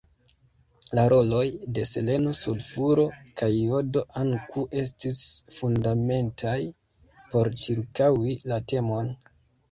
La roloj de seleno sulfuro kaj jodo anakŭ ests fundamentaj por cirkaŭi la temon.